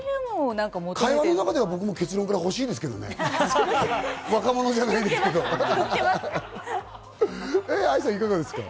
会話の中では僕も結論から欲しいですけどね、若者じゃないですけど。